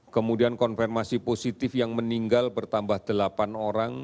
kemudian konfirmasi positif yang meninggal bertambah delapan orang